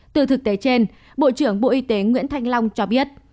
từ thực tế trên bộ trưởng bộ y tế nguyễn thanh long cho biết